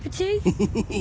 フフフ。